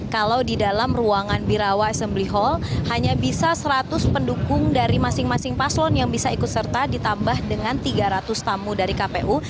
kalau di dalam ruangan birawa assembly hall hanya bisa seratus pendukung dari masing masing paslon yang bisa ikut serta ditambah dengan tiga ratus tamu dari kpu